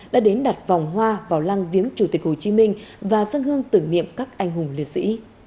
đã đến đặt vòng hoa vào lăng viếng chủ tịch hồ chí minh và sân hương tử nghiệm các anh hùng liệt sĩ